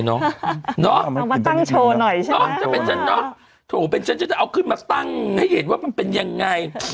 ใช่หรอเอามาตั้งโชว์หน่อยใช่ออจะเป็นชั้นเนอะถูกจะจะเอาขึ้นมาตั้งให้เห็นว่ามันเป็นยังไง